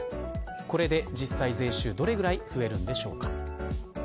これで実際、税収どれぐらい増えるんでしょうか。